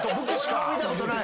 俺も見たことない。